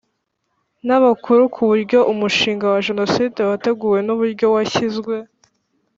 N abakuru ku buryo umushinga wa jenoside wateguwe n uburyo washyizwe